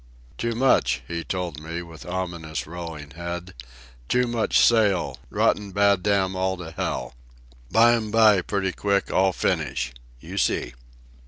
"Too much," he told me, with ominous rolling head. "Too much sail, rotten bad damn all to hell. Bime by, pretty quick, all finish. You see."